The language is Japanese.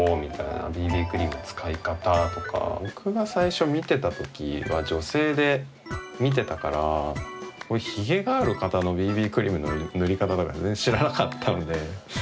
クリーム使い方とか僕が最初見てたときは女性で見てたからひげがある方のＢＢクリームの塗り方とか全然知らなかったので。